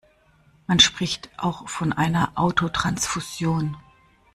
Man spricht auch von einer Autotransfusion.